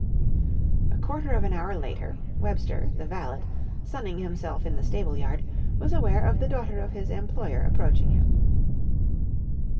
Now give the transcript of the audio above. A quarter of an hour later, Webster, the valet, sunning himself in the stable yard, was aware of the daughter of his employer approaching him.